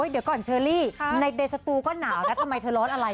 เดี๋ยวก่อนเชอรี่ในเดสตูก็หนาวนะทำไมเธอร้อนอะไร